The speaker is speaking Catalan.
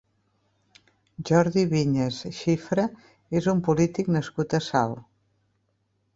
Jordi Viñas Xifra és un polític nascut a Salt.